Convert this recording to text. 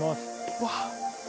うわっ。